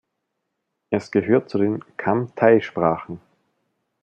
Es gehört zu den Kam-Tai-Sprachen.